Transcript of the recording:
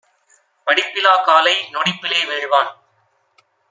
படிப்பிலாக் காலை நொடிப்பிலே வீழ்வான்!